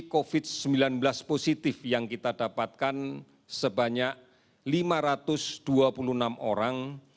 covid sembilan belas positif yang kita dapatkan sebanyak lima ratus dua puluh enam orang